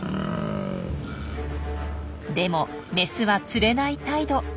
でもメスはつれない態度。